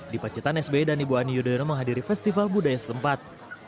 di pacitan sbi dan ibu ani yudhoyono menghadiri festival budaya setempat